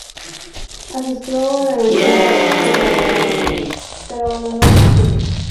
Asistió a la Universidad de Oxford durante dos años, pero abandonó los estudios.